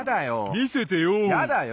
みせてよ！